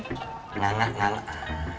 enggak enggak enggak